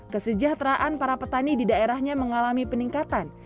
kesejahteraan para petani di daerahnya mengalami peningkatan